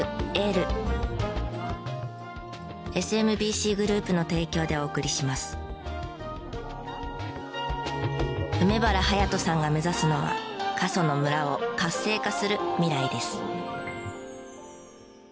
新「グリーンズフリー」梅原颯大さんが目指すのは過疎の村を活性化する未来です。